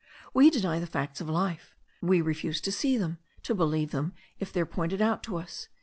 We deny the facts of life. We refuse to see them, to believe them if they are pointed out to us.